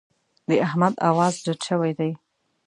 د احمد اواز ډډ شوی دی.